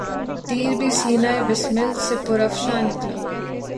تیر بھی سینۂ بسمل سے پرافشاں نکلا